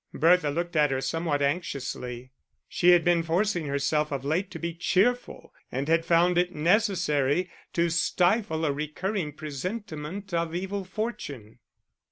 Bertha looked at her somewhat anxiously. She had been forcing herself of late to be cheerful, and had found it necessary to stifle a recurring presentiment of evil fortune.